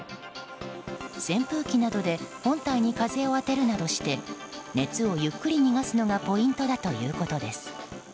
扇風機などで本体に風を当てるなどして熱をゆっくり逃がすのがポイントだということです。